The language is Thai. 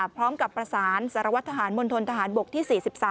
พร้อมกับประสานศรวรรษมลธนทหารบวกที่๔๓